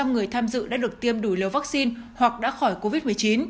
một trăm linh người tham dự đã được tiêm đủ liều vaccine hoặc đã khỏi covid một mươi chín